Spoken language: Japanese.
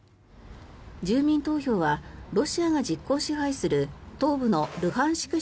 住民投票はロシアが実効支配する東部のルハンシク